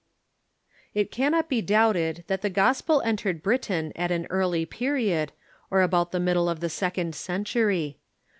It cannot be doubted that the gospel entered Britain at an early period, or about tlie middle of the second century.